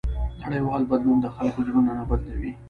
نړیوال بدلون د خلکو زړونه نه بدلوي.